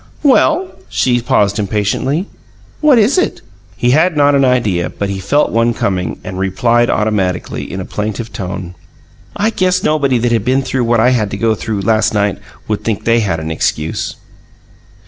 "Well" she paused impatiently "what is it?" He had not an idea, but he felt one coming, and replied automatically, in a plaintive tone: "I guess anybody that had been through what I had to go through, last night, would think they had an excuse."